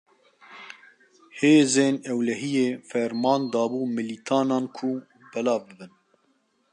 Hêzên ewlehiyê, ferman dabû milîtanan ku belav bibin